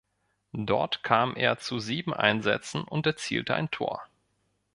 Dort kam er zu sieben Einsätzen und erzielte ein Tor.